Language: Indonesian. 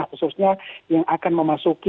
khususnya yang akan memasuki